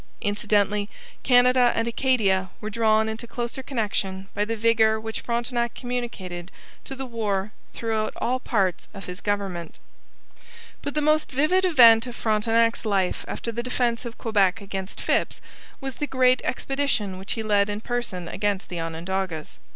Incidentally Canada and Acadia were drawn into closer connection by the vigour which Frontenac communicated to the war throughout all parts of his government. But the most vivid event of Frontenac's life after the defence of Quebec against Phips was the great expedition which he led in person against the Onondagas.